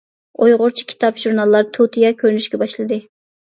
ئۇيغۇرچە كىتاب، ژۇرناللار تۇتىيا كۆرۈنۈشكە باشلىدى.